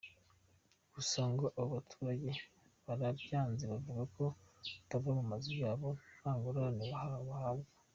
Gusa ngo aba baturage barabyanze bavuga ko batava mu mazu yabo nta ngurane barahabwa.